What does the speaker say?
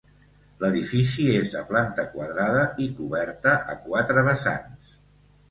L’edifici és de planta quadrada i coberta a quatre vessants.